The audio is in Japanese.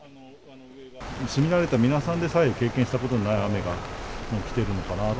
住み慣れた皆さんでさえ経験したことのない雨が来てるのかなと。